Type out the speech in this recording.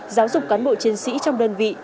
giáo dục cán bộ chiến sĩ trong đơn vị